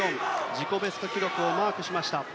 自己ベスト記録をマークしました。